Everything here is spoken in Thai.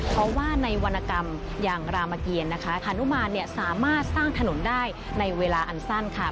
เพราะว่าในวรรณกรรมอย่างรามเกียรนะคะฮานุมานสามารถสร้างถนนได้ในเวลาอันสั้นค่ะ